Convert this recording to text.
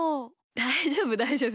だいじょうぶだいじょうぶ。